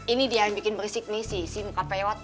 ini dia yang bikin berisik nih si muka pewat